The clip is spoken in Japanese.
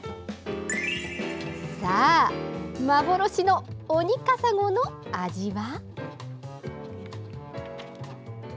さあ、幻のオニカサゴの味は。